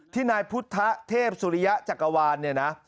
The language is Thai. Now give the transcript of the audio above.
นายพุทธเทพสุริยะจักรวาลเนี่ยนะ